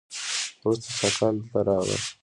وروسته ساکان دلته راغلل